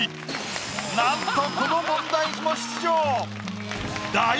なんとこの問題児も出場！